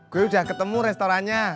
gue udah ketemu restorannya